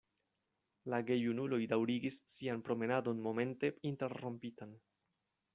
La gejunuloj daŭrigis sian promenadon momente interrompitan.